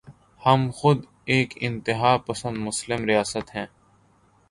ہم خود ایک انتہا پسند مسلم ریاست ہیں۔